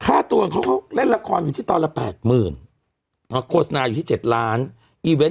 ฆ่าตัวเขาเขาเล่นละครอยู่ที่ตอนละแปดหมื่นอ่ะโฆษณาอยู่ที่เจ็ดล้าน